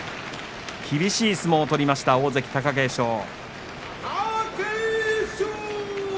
厳しい相撲を取りました大関貴景勝。